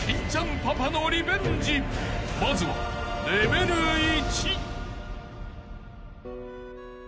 ［まずはレベル１］